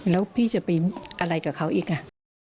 แล้วพี่จะไปอะไรกับเขาอีกอ่ะ